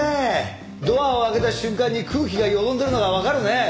ドアを開けた瞬間に空気がよどんでるのがわかるね。